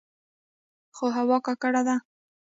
خو هوا ککړه ده.